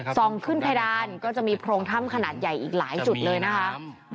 ส่องขึ้นเพดานก็จะมีโพรงถ้ำขนาดใหญ่อีกหลายจุดเลยนะคะ